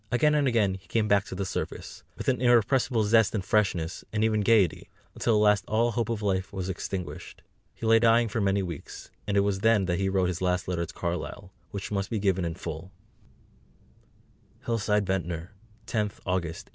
Again and again he came back to the surface, with an irrepressible zest and freshness, and even gaiety, until at last all hope of life was extinguished. He lay dying for many weeks, and it was then that he wrote his last letter to Carlyle, which must be given in full: HILLSIDE, VENTNOR, 10th August 1844.